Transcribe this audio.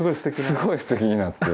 すごいすてきになって。